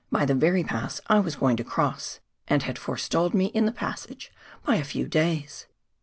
271 by tlie very pass T was going to cross, and had forestalled me in the first passage by a few days.